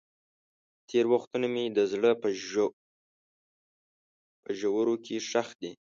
تېر وختونه مې د زړه په ژورو کې ښخ دي.